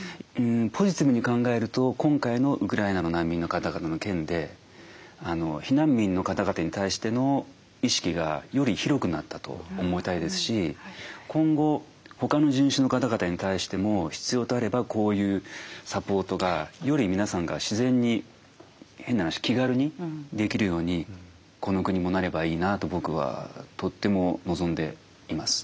ポジティブに考えると今回のウクライナの難民の方々の件で避難民の方々に対しての意識がより広くなったと思いたいですし今後他の人種の方々に対しても必要とあればこういうサポートがより皆さんが自然に変な話気軽にできるようにこの国もなればいいなと僕はとっても望んでいます。